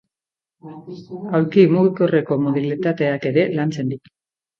Aulki mugikorreko modalitateak ere lantzen ditu.